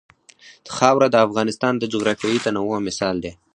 خاوره د افغانستان د جغرافیوي تنوع مثال دی.